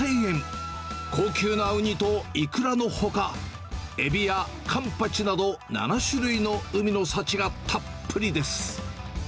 高級なウニとイクラのほか、エビやカンパチなど７種類の海の幸がたっぷりです。